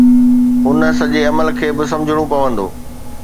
ان سڄي عمل کي به سمجهڻو پوندو